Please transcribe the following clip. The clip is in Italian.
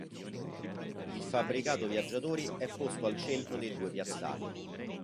Il fabbricato viaggiatori è posto al centro dei due piazzali.